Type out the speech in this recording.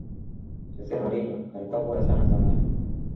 jose mourinho alikuwa bora sana zamani